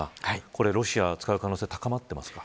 これはロシアが使う可能性は高まっていますか。